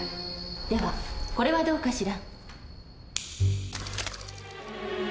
ではこれはどうかしら。